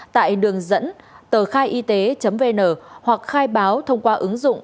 tại đường dẫn tờkhaiyt vn hoặc khai báo thông qua ứng dụng